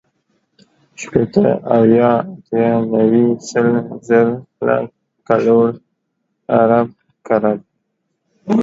شپېته، اويا، اتيا، نيوي، سل، زر، لک، کروړ، ارب، کرب